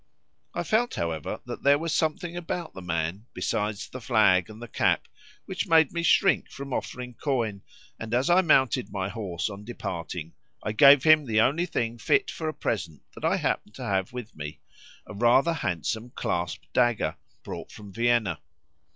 I felt, however, that there was something about the man, besides the flag and the cap, which made me shrink from offering coin, and as I mounted my horse on departing I gave him the only thing fit for a present that I happened to have with me, a rather handsome clasp dagger, brought from Vienna.